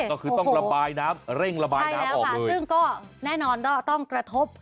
ก็คือต้องระบายน้ำเร่งระบายน้ำออกมาซึ่งก็แน่นอนก็ต้องกระทบ